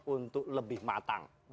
untuk lebih matang